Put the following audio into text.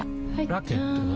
ラケットは？